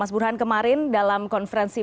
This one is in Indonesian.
mas burhan kemarin dalam konferensi